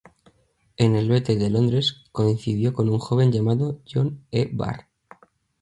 En el Betel de Londres coincidió con un joven llamado John E. Barr.